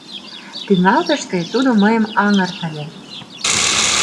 Тӱҥалтыште тудо мыйым аҥыртыле.